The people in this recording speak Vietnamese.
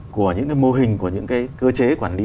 của những mô hình của những cơ chế quản lý